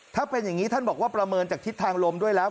ถ้าเป็นอย่างนี้ท่านบอกว่าประเมินจากทิศทางลมด้วยแล้ว